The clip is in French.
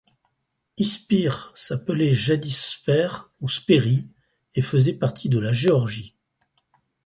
İspir s'appelait jadis Sper, ou Speri, et faisait partie de la Géorgie.